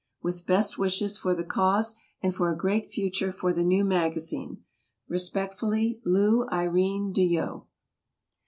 With best wishes for the cause, and for a great future for the new magazine, Respectfully, LOU IRENE DEYO.